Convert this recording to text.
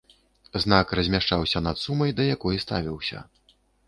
Знак размяшчаўся над сумай, да якой ставіўся.